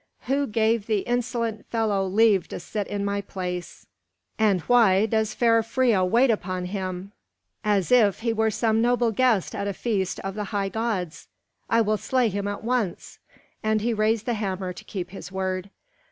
Who gave the insolent fellow leave to sit in my place? And why does fair Freia wait upon him as if he were some noble guest at a feast of the high gods? I will slay him at once!" and he raised the hammer to keep his word.